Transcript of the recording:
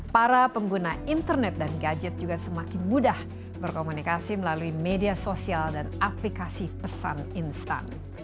para pengguna internet dan gadget juga semakin mudah berkomunikasi melalui media sosial dan aplikasi pesan instan